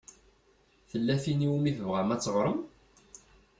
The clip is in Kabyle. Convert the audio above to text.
Tella tin i wumi tebɣam ad teɣṛem?